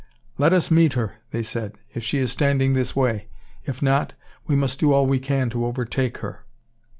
"Let us meet her," they said, "if she's standing this way; if not, we must do all we can to overtake her."